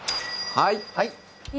はい。